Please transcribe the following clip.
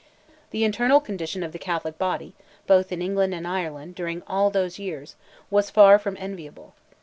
The internal condition of the Catholic body, both in England and Ireland, during all those years, was far from enviable.